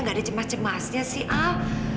gak ada cemas cemasnya sih ah